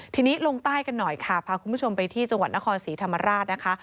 ทีนี้ลงใต้กันหน่อยค่ะพาคุณผู้ชมไปที่จังหวัดนครศรีธรรมราชนะคะ